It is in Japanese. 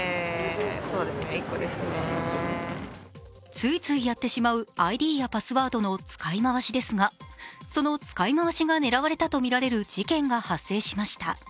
ついついやってしまうＩＤやパスワードの使い回しですがその使い回しが狙われたとみられる事件が発生しました。